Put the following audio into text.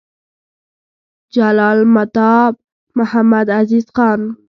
جلالتمآب محمدعزیز خان: